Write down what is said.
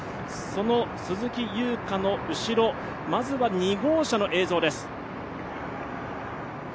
その鈴木優花の後ろ、まずは２号車の映像です。